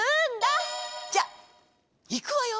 じゃいくわよ！